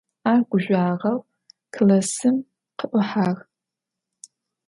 Ar guzjüağeu klassım khı'uhağ.